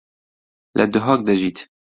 لە دهۆک دەژیت.